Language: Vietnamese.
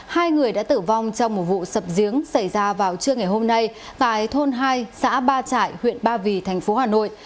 hai người đã tử vong trong một vụ sập giếng xảy ra vào trưa ngày hôm nay tại thôn hai xã ba trại huyện ba vì thành phố hà nội